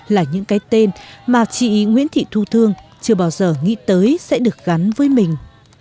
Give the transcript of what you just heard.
là những cái tên mà chị nguyễn thị thu thương chưa bao giờ nghĩ tới sẽ được gắn với mình